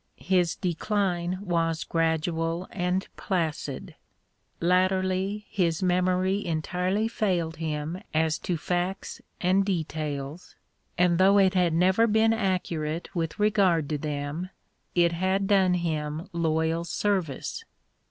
His decline was gradual and placid. Latterly his memory entirely failed him as to facts and details, and though it had never been accurate with regard to them, it had done him loyal service.